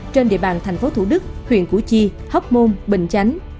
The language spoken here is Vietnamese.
trên địa bàn thành phố thủ đức huyện củ chi hóc môn bình chánh